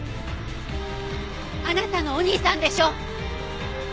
あなたのお兄さんでしょ！